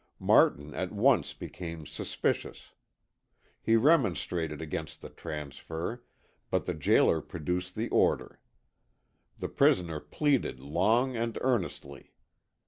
Martin at once became suspicious. He remonstrated against the transfer, but the jailer produced the order. The prisoner pleaded long and earnestly.